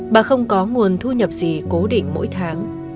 bà không có nguồn thu nhập gì cố định mỗi tháng